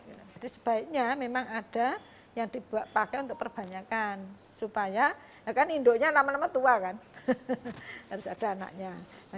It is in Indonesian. jadi sebaiknya memang ada yang dibuat pakai untuk perbanyakan supaya ya kan indoknya lama lama tua kan harus ada anaknya